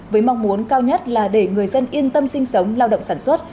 với mong muốn cao nhất là để người dân yên tâm sinh sống lao động sản xuất